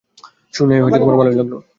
শুনে ভালোই লাগলো।